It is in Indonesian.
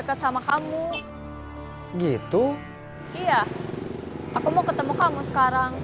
kamu helo budak k